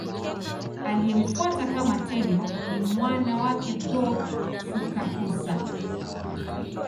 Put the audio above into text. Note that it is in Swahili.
Aliyemfuata kama Tenno ni mwana wake Go-Fukakusa.